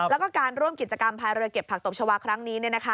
แล้วก็การร่วมกิจกรรมพายเรือเก็บผักตบชาวาครั้งนี้